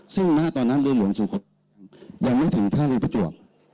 ซึ่งณตอนนั้นเรือหลวงสุโขทยังไม่ถึงท่าเรือประจวบ